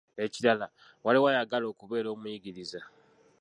Ekirala, waliwo ayagala okubeera omuyigiriza.